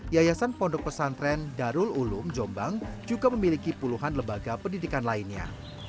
yayasan pondok pesantren darul ulum jombang juga memiliki puluhan lembaga pendidikan lainnya